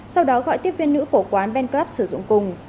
sau đó gọi tiếp viên nữ khổ quán band club sử dụng cùng